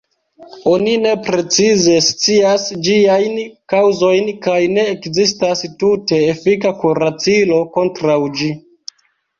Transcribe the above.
Oni ne precize scias ĝiajn kaŭzojn, kaj ne ekzistas tute efika kuracilo kontraŭ ĝi.